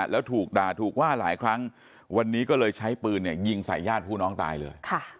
แล้วถูกด่าถูกว่าหลายครั้งวันนี้ก็เลยใช้ปืนเนี่ยยิงใส่ญาติผู้น้องตายเลย